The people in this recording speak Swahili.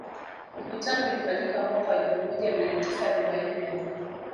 Mkutano ulifanyika mwaka wa elfu moja mia tisa arobaini na nne